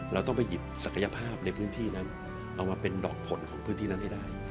เราต้องไปหยิบศักยภาพในพื้นที่นั้นเอามาเป็นดอกผลของพื้นที่นั้นให้ได้